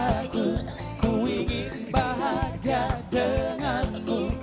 aku ingin bahagia denganmu